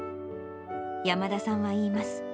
山田さんは言います。